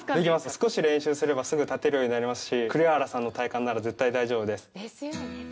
少し練習すればすぐ立てるようになりますし、栗原さんの体幹なら絶対大丈夫です。